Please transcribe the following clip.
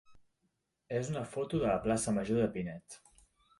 és una foto de la plaça major de Pinet.